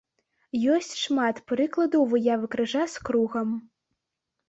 Ёсць шмат прыкладаў выявы крыжа з кругам.